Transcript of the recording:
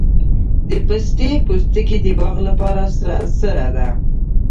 د پستې پوستکي د باغ لپاره سره ده؟